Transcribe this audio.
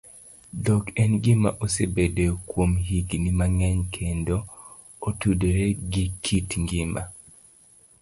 Dhok en gima osebedoe kuom higini mang'eny kendo otudore gi kit ngima